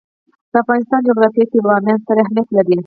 د افغانستان جغرافیه کې بامیان ستر اهمیت لري.